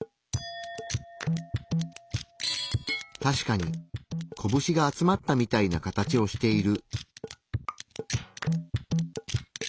確かにこぶしが集まったみたいな形をしている。